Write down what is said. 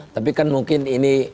tapi kan mungkin ini